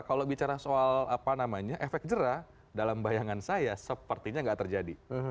kalau bicara soal apa namanya efek jerah dalam bayangan saya sepertinya nggak terjadi